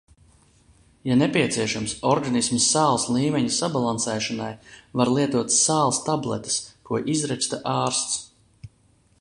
Ja nepieciešams, organisma sāls līmeņa sabalansēšanai var lietot sāls tabletes, ko izraksta ārsts.